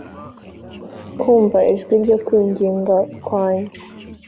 kumva ijwi ryo kwinginga kwanjye